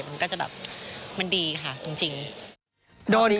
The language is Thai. มันก็จะแบบมันดีค่ะจริง